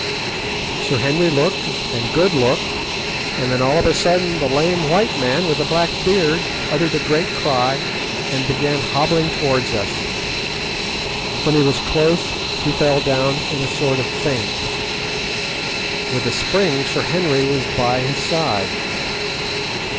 Sir Henry looked, and Good looked, and then all of a sudden the lame white man with a black beard uttered a great cry, and began hobbling towards us. When he was close he fell down in a sort of faint. With a spring Sir Henry was by his side.